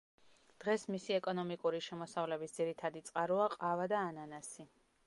დღეს მისი ეკონომიკური შემოსავლების ძირითადი წყაროა ყავა და ანანასი.